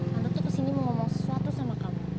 tante tuh kesini mau ngomong sesuatu sama kamu